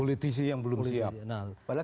politisi yang belum siap